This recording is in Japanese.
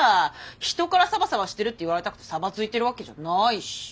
人からサバサバしてるって言われたくてサバついてるわけじゃないし。